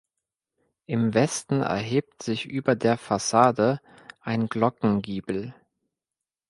Im Westen erhebt sich über der Fassade ein Glockengiebel.